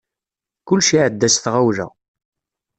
Kullec iɛedda s tɣawla.